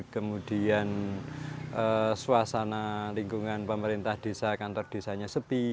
kemudian suasana lingkungan pemerintah desa kantor desanya sepi